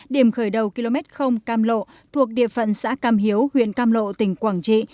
điểm khởi đầu km cam lộ thuộc địa phận xã cam hiếu huyện cam lộ tỉnh quảng trị